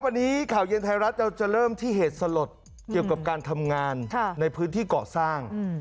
วันนี้ข่าวเย็นไทยรัฐเราจะเริ่มที่เหตุสลดเกี่ยวกับการทำงานในพื้นที่เกาะสร้าง